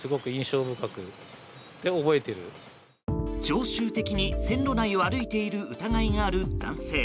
常習的に線路内を歩いている疑いがある男性。